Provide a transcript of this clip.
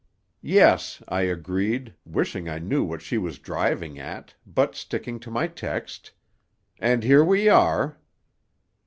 "'Yes,' I agreed, wishing I knew what she was driving at, but sticking to my text. 'And here we are.